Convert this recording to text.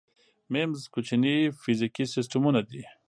میمز کوچني فزیکي سیسټمونه دي.